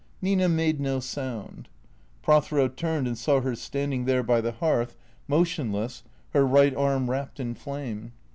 Nina made no sound. Prothero turned and saw her standing there by the hearth, motionless, her right arm wrapped in flame.